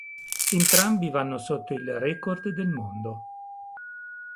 Entrambi vanno sotto il record del mondo.